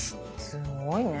すごいね。